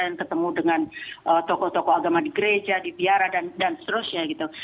dan ketemu dengan tokoh tokoh agama di gereja di biara dan seterusnya gitu